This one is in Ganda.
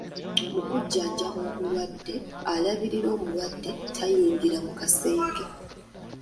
Mu kujjanjaba omulwadde, alabirira omulwadde tayingira mu kasenge.